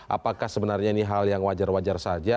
apakah sebenarnya ini hal yang wajar wajar saja